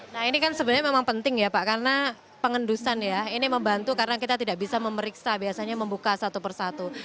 nah ini kan sebenarnya memang penting ya pak karena pengendusan ya ini membantu karena kita tidak bisa memeriksa biasanya membuka satu persatu